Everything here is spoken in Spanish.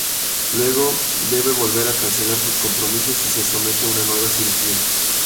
Luego, debe volver a cancelar sus compromisos y se somete a una nueva cirugía.